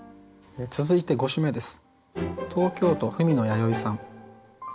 続いて５首目です。